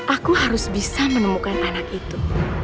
aku harus bisa menemukan anak itu